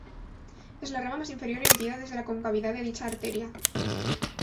Es la rama más inferior emitida desde la concavidad de dicha arteria.